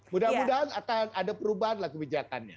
mudah mudahan akan ada perubahan lah kebijakannya